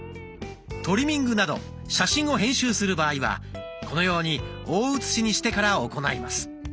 トリミングなど写真を編集する場合はこのように大写しにしてから行います。